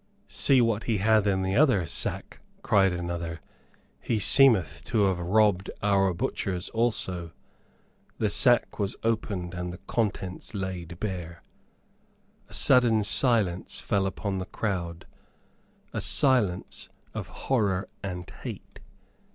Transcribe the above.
"See what he hath in the other sack," cried another. "He seemeth to have robbed our butchers also." The sack was opened, and the contents laid bare. A sudden silence fell upon the crowd, a silence of horror and hate.